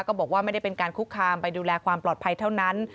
บอกว่าไม่ได้เป็นการคุกคามไปดูแลความปลอดภัยเท่านั้น